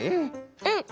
うん。